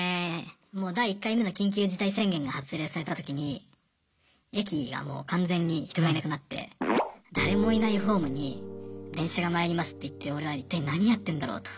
もう第１回目の緊急事態宣言が発令された時に駅がもう完全に人がいなくなって誰もいないホームに電車が参りますって言って俺は一体何やってんだろうと。